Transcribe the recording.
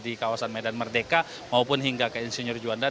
di kawasan medan merdeka maupun hingga ke insinyur juanda